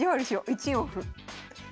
１四歩。